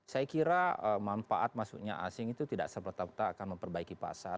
saya kira manfaat masuknya asing itu tidak serta merta akan memperbaiki pasar